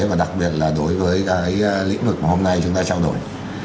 và đặc biệt là đối với cái lĩnh vực mà hôm nay chúng ta trao đổi